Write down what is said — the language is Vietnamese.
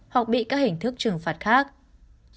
hoặc bị các hình thức trừng phạt khác